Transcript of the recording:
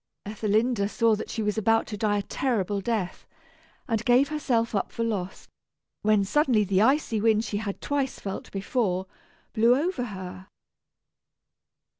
Ethelinda saw that she was about to die a terrible death, and gave herself up for lost, when suddenly the icy wind she had twice felt before, blew over her.